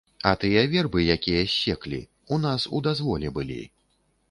А тыя вербы, якія ссеклі, у нас у дазволе былі.